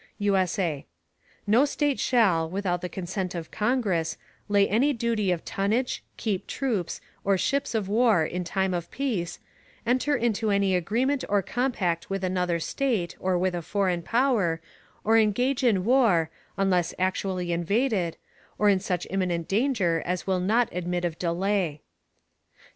[USA] No State shall, without the Consent of Congress, lay any Duty of Tonnage, keep Troops, or Ships of War in time of Peace, enter into any Agreement or Compact with another State, or with a foreign Power, or engage in War, unless actually invaded, or in such imminent Danger as will not admit of Delay.